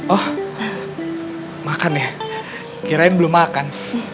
oh makan ya kirain belum makan